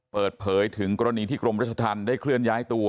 เปิดเผยถึงกรณีที่กรมรัชธรรมได้เคลื่อนย้ายตัว